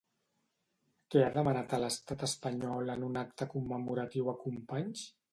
Què ha demanat a l'estat espanyol en un acte commemoratiu a Companys?